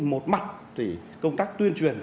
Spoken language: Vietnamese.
một mặt thì công tác tuyên truyền